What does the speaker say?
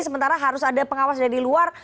sementara harus ada pengawas dari luar